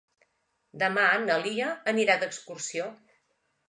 Demà na Lia anirà d'excursió.